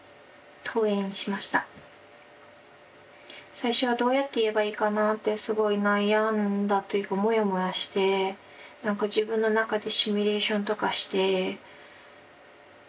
最初はどうやって言えばいいかなってすごい悩んだというかモヤモヤして自分の中でシミュレーションとかして。